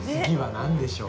何でしょう。